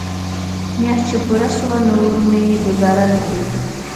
مياشت چې پوره سوه نور مې گوزاره نه کېده.